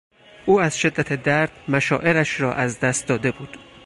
او از شدت درد مشاعرش را از دست داده بود.